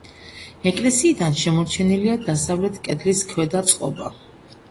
ეკლესიიდან შემორჩენილია დასავლეთ კედლის ქვედა წყობა.